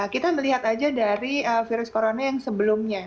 kita melihat aja dari virus corona yang sebelumnya